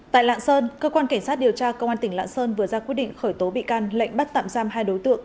tại lạng sơn cơ quan cảnh sát điều tra công an tỉnh lạng sơn vừa ra quyết định khởi tố bị can lệnh bắt tạm giam hai đối tượng